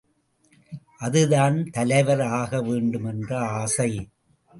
அதுதான் தலைவர் ஆகவேண்டும் என்ற ஆசை!